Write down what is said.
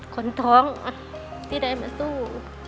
คนท้องที่ได้มาสู้